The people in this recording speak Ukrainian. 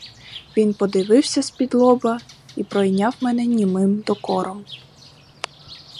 Він подивився з-під лоба й пройняв мене німим докором.